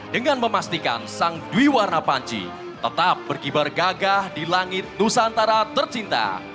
dengan memastikan sang dwi warna panci tetap berkibar gagah di langit nusantara tercinta